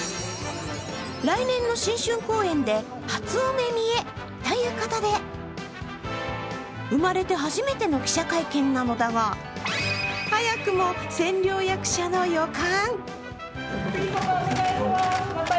来年の新春公演で初お目見えということで生まれて初めての記者会見なのだが、早くも千両役者の予感。